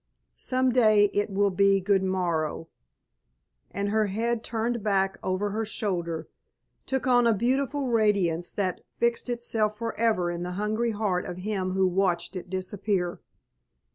"Some day it will be good morrow," and her head, turned back over her shoulder, took on a beautiful radiance that fixed itself forever in the hungry heart of him who watched it disappear.